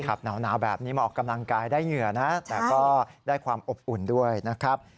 หนาวแบบนี้มาออกกำลังกายได้เหงื่อนะแต่ก็ได้ความอบอุ่นด้วยนะครับ